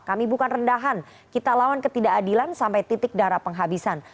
kami bukan rendahan kita lawan ketidakadilan sampai titik darah penghabisan